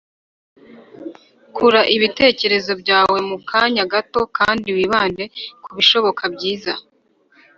kura ibitekerezo byawe mu kanya gato, kandi wibande kubishoboka byiza